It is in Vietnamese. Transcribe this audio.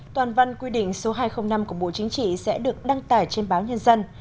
toàn văn quy định số hai trăm linh năm của bộ chính trị sẽ được đăng tải trên báo nhân dân